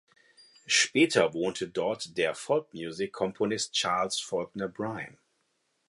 Später wohnte dort der folk music Komponist Charles Faulkner Bryan.